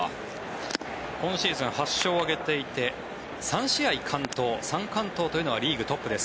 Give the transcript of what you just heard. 今シーズン８勝を挙げていて３試合完投３完投というのはリーグトップです。